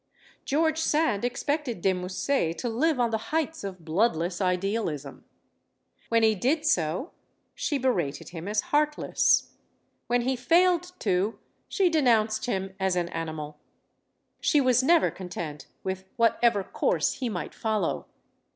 George Sand expected De Musset to live on the heights of bloodless idealism. When he did so, she berated him as heartless. When he failed to, she de nounced him as an animal. She was never content with whatever course he might follow.